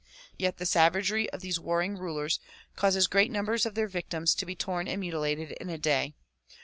Yet the savagery of these warring rulers causes great numbers of their victims to be torn and mutilated in a day.